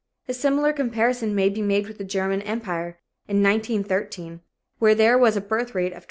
A similar comparison may be made with the German Empire in 1913, where there was a birth rate of 27.